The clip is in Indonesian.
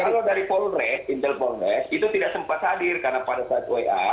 kalau dari polres intel polres itu tidak sempat hadir karena pada saat wa